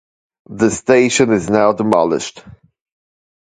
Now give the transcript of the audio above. The station is now demolished.